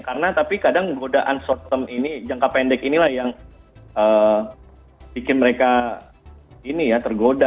karena tapi kadang godaan short term ini jangka pendek inilah yang bikin mereka ini ya tergoda